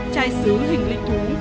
chai xứ hình lịch thú